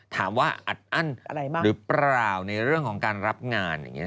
ถามว่าอัดอั้นหรือเปล่าในเรื่องของการรับงาน